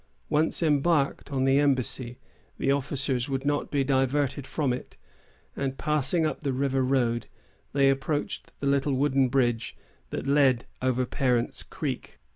Once embarked on the embassy, the officers would not be diverted from it; and passing up the river road, they approached the little wooden bridge that led over Parent's Creek.